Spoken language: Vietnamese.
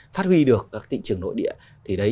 thuy được các thị trường nội địa thì đấy